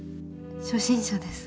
初心者です。